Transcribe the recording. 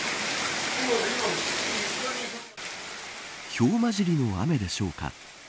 ひょう交じりの雨でしょうか。